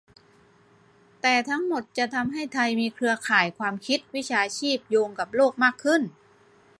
แต่ทั้งหมดจะทำให้ไทยมีเครือข่ายความคิด-วิชาชีพโยงกับโลกมากขึ้น